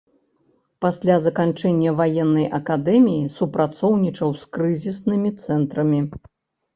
Пасля заканчэння ваеннай акадэміі супрацоўнічаў з крызіснымі цэнтрамі.